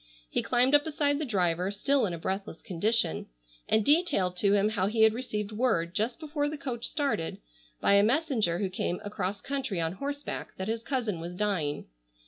He climbed up beside the driver, still in a breathless condition, and detailed to him how he had received word, just before the coach started, by a messenger who came across country on horseback, that his cousin was dying.